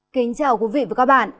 kính chào quý vị và các bạn